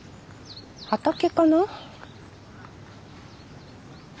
畑かな？